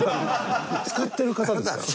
使ってる方ですか？